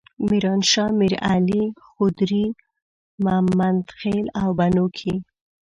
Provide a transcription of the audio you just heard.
میرانشاه، میرعلي، خدري، ممندخیل او بنو کې.